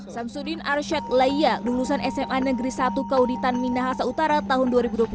sam sudin arsyad laya lulusan sma negeri satu kauditan minahasa utara tahun dua ribu dua puluh tiga